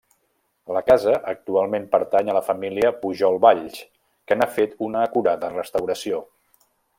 La casa actualment pertany a la família Pujol Valls, que n'ha fet una acurada restauració.